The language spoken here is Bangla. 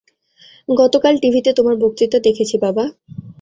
গতকাল টিভিতে তোমার বক্ততা দেখেছি, বাবা।